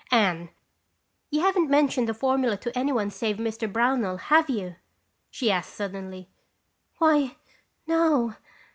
"Anne, you haven't mentioned the formula to anyone save Mr. Brownell, have you?" she asked suddenly. "Why, no.